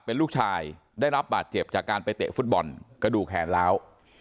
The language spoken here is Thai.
เป็นลูกชายได้รับบาดเจ็บจากการไปเตะฟุตบอลกระดูกแขนล้าว